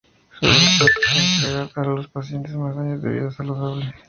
Su propuesta es entregar a los pacientes más años de vida saludable.